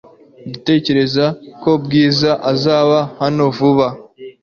Ndatekereza ko Bwiza azaba hano vuba .